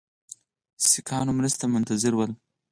سیکهانو مرستې ته منتظر ول.